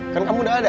kan kamu udah ada